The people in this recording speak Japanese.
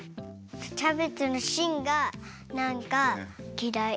キャベツのしんがなんかきらい。